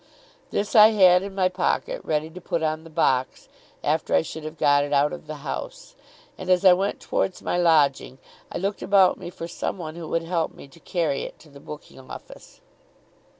This I had in my pocket ready to put on the box, after I should have got it out of the house; and as I went towards my lodging, I looked about me for someone who would help me to carry it to the booking office.